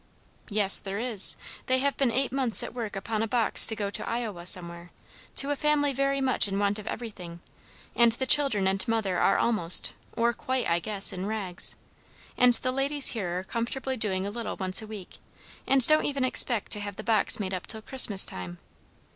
"Yes, there is. They have been eight months at work upon a box to go to Iowa somewhere, to a family very much in want of everything; and the children and mother are almost, or quite, I guess, in rags, and the ladies here are comfortably doing a little once a week, and don't even expect to have the box made up till Christmas time.